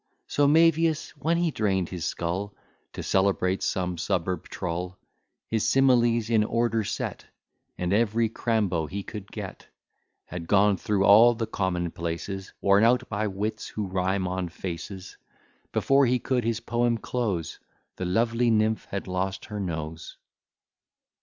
So Mævius, when he drain'd his skull To celebrate some suburb trull, His similes in order set, And every crambo he could get; Had gone through all the common places Worn out by wits, who rhyme on faces; Before he could his poem close, The lovely nymph had lost her nose.